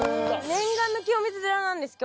念願の清水寺なんです